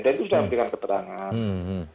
jadi itu sudah memiliki keterangan